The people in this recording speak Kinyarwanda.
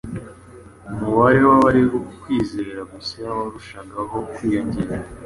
Umubare w’abemeraga uko kwizera gushya warushagaho kwiyongera